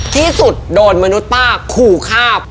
ที่สุดโดนมนุษย์ป้าขู่ฆ่า